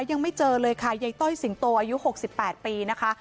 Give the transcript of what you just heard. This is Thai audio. ยังไม่เจอเลยค่ะยายต้อยสิงโตอายุ๖๘ปีนะคะ